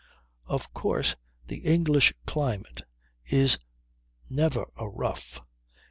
Of course the English climate is never a rough.